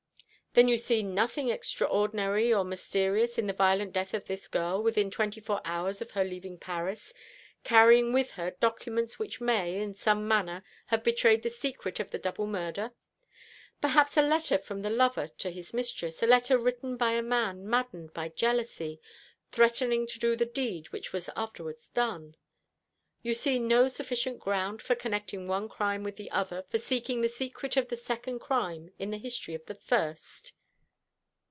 "Then you see nothing extraordinary or mysterious in the violent death of this girl, within twenty four hours of her leaving Paris, carrying with her documents which may, in some manner, have betrayed the secret of the double murder. Perhaps a letter from the lover to his mistress, a letter written by a man maddened by jealousy, threatening to do the deed which was afterwards done. You see no sufficient ground for connecting one crime with the other, for seeking the secret of the second crime in the history of the first."